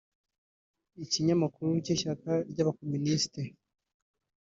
Ikinyamakuru cy’ishyaka ry’Abakomunisiti